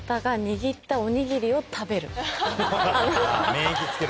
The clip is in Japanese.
免疫つける？